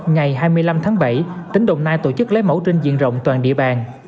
ngày hai mươi năm tháng bảy tỉnh đồng nai tổ chức lấy mẫu trên diện rộng toàn địa bàn